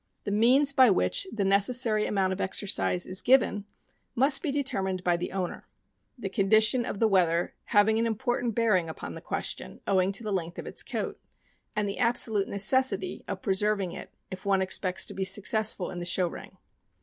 The means by which the necessary amount of exercise is given must be determined by the owner ; the condition of the weather having an important bearing upon the question, owing to the length of its coat, and the absolute necessity of preserving it if one expects to be successful in the show ring.